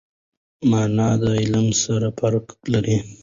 مانا د علم سره فرق لري.